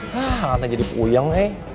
hah nanti jadi puyeng deh